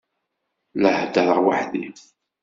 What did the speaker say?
La heddṛeɣ weḥd-i.